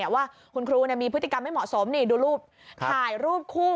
ว่าคุณครูมีพฤติกรรมไม่เหมาะสมนี่ดูรูปถ่ายรูปคู่